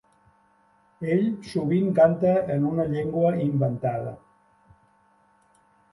Ell sovint canta en una llengua inventada.